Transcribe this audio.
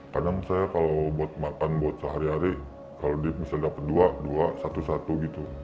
kadang saya kalau buat makan buat sehari hari kalau bisa dapat dua dua satu satu gitu